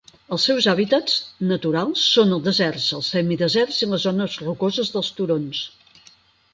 Els seus hàbitats naturals són els deserts, els semideserts i les zones rocoses dels turons.